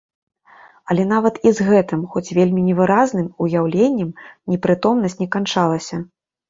Але нават і з гэтым, хоць вельмі невыразным, уяўленнем непрытомнасць не канчалася.